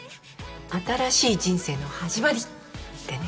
新しい人生の始まりってね